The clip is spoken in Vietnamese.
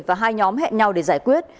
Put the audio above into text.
và hai nhóm hẹn nhau để giải quyết